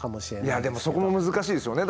いやでもそこも難しいですよね。